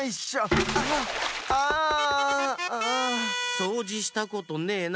そうじしたことねえな？